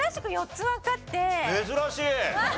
珍しい！